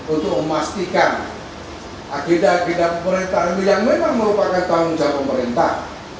untuk memastikan agenda agenda pemerintahan yang memang merupakan tanggung jawab pemerintah